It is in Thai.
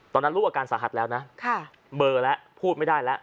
ตอนนั้นลูกอาการสาหัสแล้วนะเบอร์แล้วพูดไม่ได้แล้ว